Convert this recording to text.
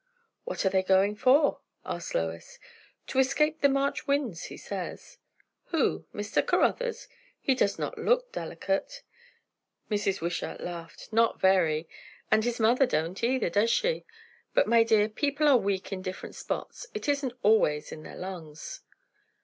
"What are they going for?" asked Lois. "To escape the March winds, he says." "Who? Mr. Caruthers? He does not look delicate." Mrs. Wishart laughed. "Not very! And his mother don't either, does she? But, my dear, people are weak in different spots; it isn't always in their lungs."